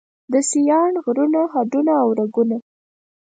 د سیاڼ غرونو هډونه او رګونه